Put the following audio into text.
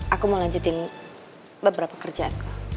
aku mau lanjutin beberapa kerjaan